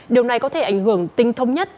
điều này có thể ảnh hưởng tinh thông nhất